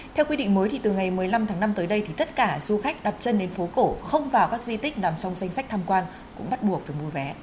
theo quy định mới thì từ ngày một mươi năm tháng năm tới đây thì tất cả du khách đặt chân đến phố cổ không vào các di tích nằm trong danh sách tham quan cũng bắt buộc phải mua vé